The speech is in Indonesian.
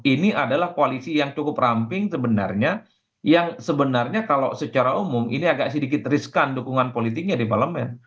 ini adalah koalisi yang cukup ramping sebenarnya yang sebenarnya kalau secara umum ini agak sedikit riskan dukungan politiknya di parlemen